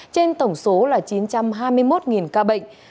trên tổng số là chín trăm hai mươi một ca bệnh